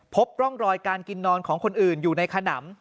พบร่องรอยการกินนอนของคนอื่นอยู่ในขนำ